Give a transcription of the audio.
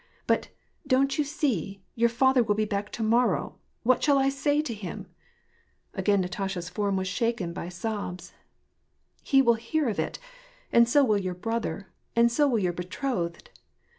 But, don't you see, your father will be back to morrow : what shall I say to him ?" Again Natasha's form was shaken by sobs. " He will hear of it ; and so will your brother, and so will your betrothed